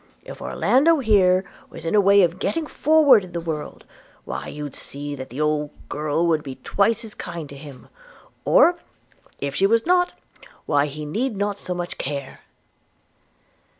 If Orlando here was in a way of getting forward in the world, why you'd see that the old girl would be twice as kind to him – or, if she was not, why he need not so much care.'